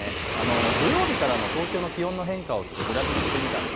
土曜日からの東京の気温の変化をグラフにしました。